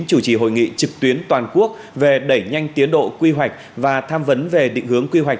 chủ trì hội nghị trực tuyến toàn quốc về đẩy nhanh tiến độ quy hoạch và tham vấn về định hướng quy hoạch